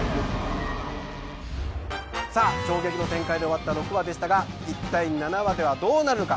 さあ衝撃の展開で終わった６話でしたが一体７話ではどうなるのか？